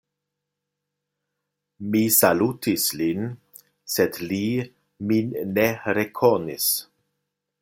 Mi salutis lin, sed li min ne rekonis.